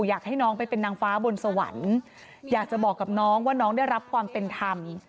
อยากให้น้องไปเป็นนางฟ้าบนสวรรค์อยากจะบอกกับน้องว่าน้องได้รับความเป็นธรรม